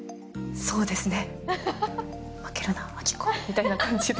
そうですね。